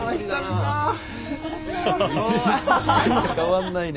変わんないね。